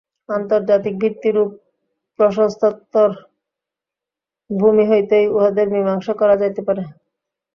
আন্তর্জাতিক ভিত্তিরূপ প্রশস্ততর ভূমি হইতেই উহাদের মীমাংসা করা যাইতে পারে।